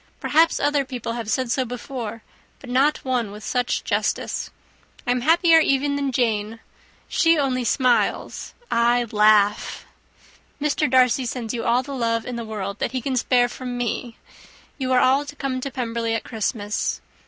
Perhaps other people have said so before, but no one with such justice. I am happier even than Jane; she only smiles, I laugh. Mr. Darcy sends you all the love in the world that can be spared from me. You are all to come to Pemberley at Christmas.